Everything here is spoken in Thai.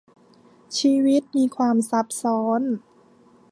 ชีวิตมีความซับซ้อน